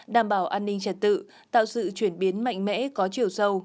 đảm bảo an ninh trật tự tạo sự chuyển biến mạnh mẽ có chiều sâu